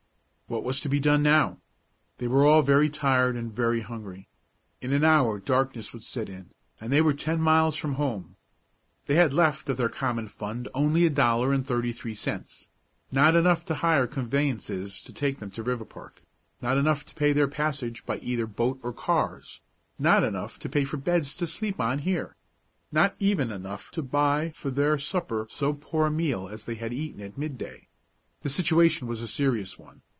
What was to be done now? They were all very tired and very hungry. In an hour darkness would set in, and they were ten miles from home. They had left of their common fund only a dollar and thirty three cents, not enough to hire conveyances to take them to Riverpark; not enough to pay their passage by either boat or cars; not enough to pay for beds to sleep on here; not even enough to buy for their supper so poor a meal as they had eaten at mid day. The situation was a serious one.